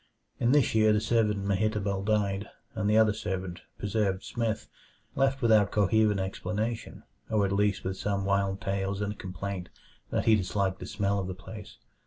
In this year the servant Mehitabel died, and the other servant, Preserved Smith, left without coherent explanation or at least, with only some wild tales and a complaint that he disliked the smell of the place.